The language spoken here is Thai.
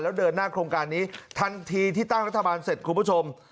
แล้วเดินหน้าโครงการนี้ทันทีที่ตั้งรัฐบาลเสร็จคุณผู้ชม